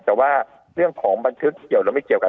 แต่ว่าเรื่องของบันทึกเกี่ยวหรือไม่เกี่ยวกัน